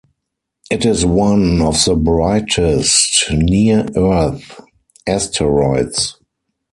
It is one of the brightest near-Earth asteroids.